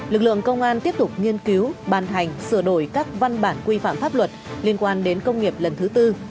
lực lượng công an tiếp tục nghiên cứu ban hành sửa đổi các văn bản quy phạm pháp luật liên quan đến công nghiệp lần thứ tư